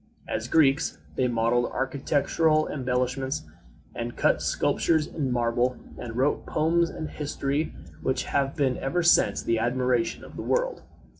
As Greeks, they modeled architectural embellishments, and cut sculptures in marble, and wrote poems and history, which have been ever since the admiration of the world.